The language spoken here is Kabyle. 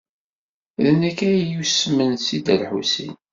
D nekk ay yusmen seg Dda Lḥusin.